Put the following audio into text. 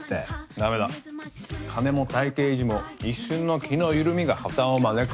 ダメだ金も体型維持も一瞬の気の緩みが破綻を招く。